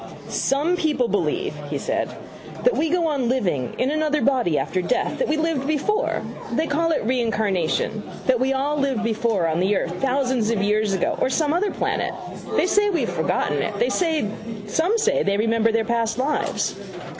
—Some people believe, he said, that we go on living in another body after death, that we lived before. They call it reincarnation. That we all lived before on the earth thousands of years ago or some other planet. They say we have forgotten it. Some say they remember their past lives.